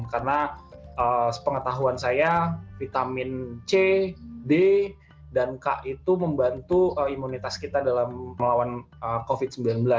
karena sepengetahuan saya vitamin c d dan k itu membantu imunitas kita dalam melawan covid sembilan belas